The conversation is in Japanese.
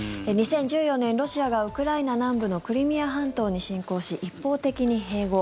２０１４年、ロシアがウクライナ南部のクリミア半島に侵攻し一方的に併合。